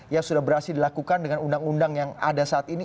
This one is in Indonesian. yang sudah berhasil dilakukan dengan undang undang yang ada saat ini